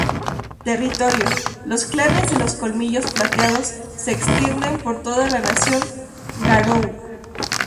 Territorio: Los clanes de los Colmillos Plateados se extienden por toda la Nación Garou.